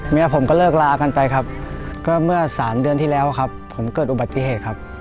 เมียผมก็เลิกลากันไปครับก็เมื่อสามเดือนที่แล้วครับผมเกิดอุบัติเหตุครับ